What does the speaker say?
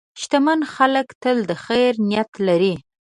شتمن خلک تل د خیر نیت لري.